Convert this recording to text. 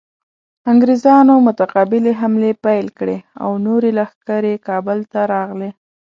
انګریزانو متقابلې حملې پیل کړې او نورې لښکرې کابل ته راغلې.